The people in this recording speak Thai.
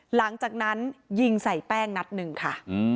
หลังจากนั้นยิงใส่แป้งนัดหนึ่งค่ะ